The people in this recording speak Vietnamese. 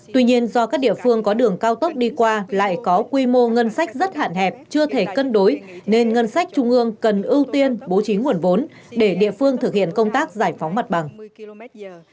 tuy nhiên do các địa phương có đường cao tốc đi qua lại có quy mô ngân sách rất hạn hẹp chưa thể cân đối nên ngân sách trung ương cần ưu tiên bố trí nguồn vốn để địa phương thực hiện công tác giải phóng mặt bằng